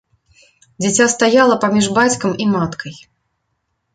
Дзіця стаяла паміж бацькам і маткай.